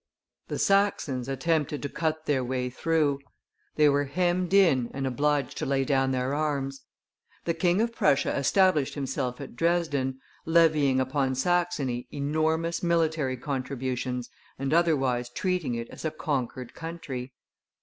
The Saxons attempted to cut their way through; they were hemmed in and obliged to lay down their arms; the King of Prussia established himself at Dresden, levying upon Saxony enormous military contributions and otherwise treating it as a conquered country.